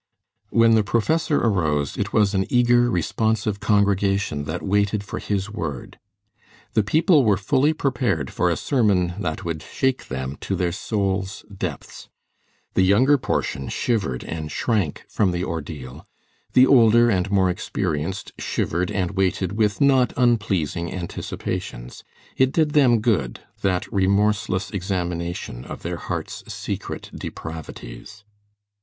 When the professor arose, it was an eager, responsive congregation that waited for his word. The people were fully prepared for a sermon that would shake them to their souls' depths. The younger portion shivered and shrank from the ordeal; the older and more experienced shivered and waited with not unpleasing anticipations; it did them good, that remorseless examination of their hearts' secret depravities.